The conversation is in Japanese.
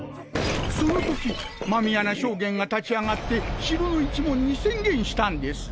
その時狸穴将監が立ち上がって城の一門に宣言したんです